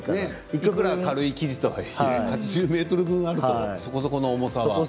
いくら軽い生地とはいえ８０ｍ分あるとそこそこの重さは。